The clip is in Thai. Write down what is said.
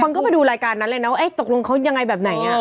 คนก็ไปดูรายการนั้นเลยนะว่าตกลงเขายังไงแบบไหน